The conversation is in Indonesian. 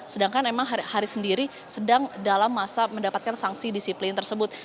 sedangkan memang haris sendiri sedang dalam masa mendapatkan sanksi disiplin tersebut